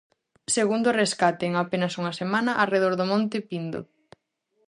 Segundo rescate en apenas unha semana arredor do Monte Pindo.